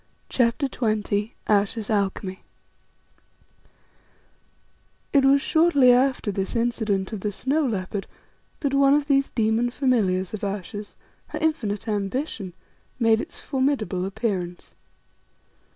CHAPTER XX AYESHA'S ALCHEMY It was shortly after this incident of the snow leopard that one of these demon familiars of Ayesha's, her infinite ambition, made its formidable appearance.